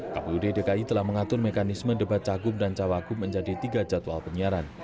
kpud dki telah mengatur mekanisme debat cagup dan cawagup menjadi tiga jadwal penyiaran